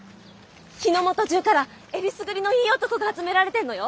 日の本中からえりすぐりのいい男が集められてんのよ！